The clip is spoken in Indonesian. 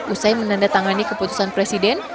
usai menandatangani keputusan presiden